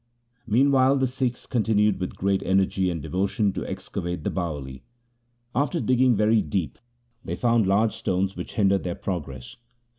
Meanwhile the Sikhs continued with great energy and devotion to excavate the Bawali. After digging very deep they found large stones which hindered their progress.